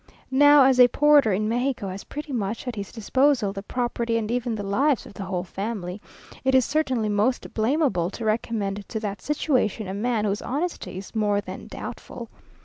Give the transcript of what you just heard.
Now as a porter in Mexico has pretty much at his disposal the property and even the lives of the whole family, it is certainly most blameable to recommend to that situation a man whose honesty is more than doubtful.